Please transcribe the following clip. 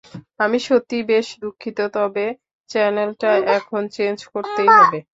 আমি সত্যিই বেশ দুঃখিত, তবে চ্যানেলটা এখন চেঞ্জ করতেই হবে।